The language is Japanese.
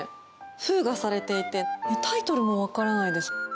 封がされていてタイトルもわからないです。